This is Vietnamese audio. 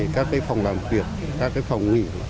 các cái phòng làm việc các cái phòng nghỉ